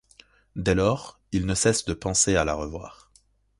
Dès lors, il ne cesse de penser à la revoir.